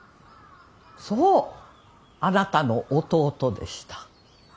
そうあなたの弟でした。